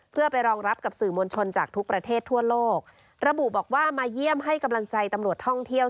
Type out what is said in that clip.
เพื่อไปรองรับกับสื่อมวลชนจากทุกประเทศทั่วโลกระบุบอกว่ามาเยี่ยมให้กำลังใจตำรวจท่องเที่ยว